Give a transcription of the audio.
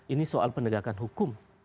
ini soal penegakan hukum